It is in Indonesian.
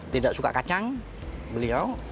tidak suka kacang beliau